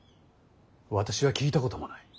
私は聞いたこともない。